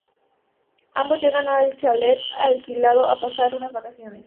Ambos llegan al chalet alquilado a pasar unas vacaciones.